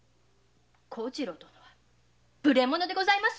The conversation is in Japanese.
幸次郎殿は無礼者でございます。